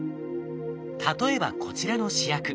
例えばこちらの試薬。